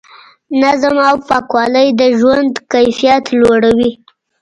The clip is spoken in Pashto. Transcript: نظم او پاکوالی د ژوند کیفیت لوړوي.